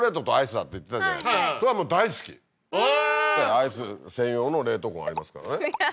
アイス専用の冷凍庫がありますからね。